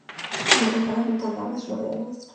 En el lugar habitan aves, roedores y reptiles.